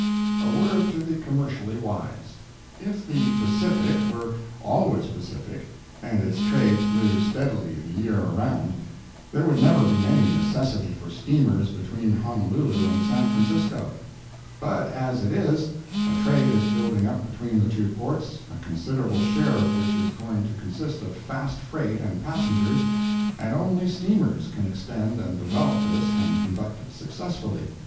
A WORD TO THE COMMERCIALLY WISE If the Pacific were always pacific and its "trades" blew steadily the year around, there would never be any necessity for steamers between Honolulu and San Francisco; but as it is, a trade is building up between the two ports, a considerable share of which is going to consist of fast freight and passengers, and only steamers can extend and develop this and conduct it successfully.